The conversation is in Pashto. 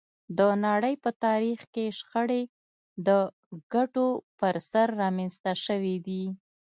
د نړۍ په تاریخ کې شخړې د ګټو پر سر رامنځته شوې دي